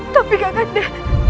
tapi kakak dinda